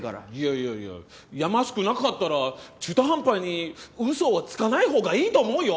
いやいややましくなかったら中途半端にウソはつかないほうがいいと思うよ。